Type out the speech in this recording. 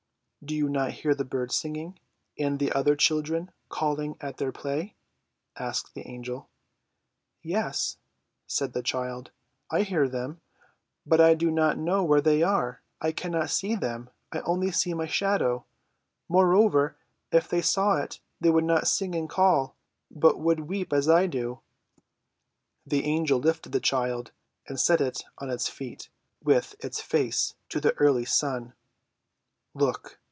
"Do you not hear the birds singing, and the other children calling at their play?" asked the Angel. "Yes," said the child; "I hear them, but I do not know where they are. I cannot see them, I see only the shadow. Moreover, if they saw it, they would not sing and call, but would weep as I do." The Angel lifted the child, and set it on its feet, with its face to the early sun. "Look!"